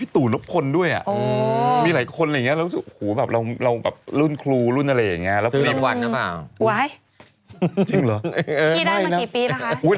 ตอนนั้นเล่นเป็นคุณมาโนท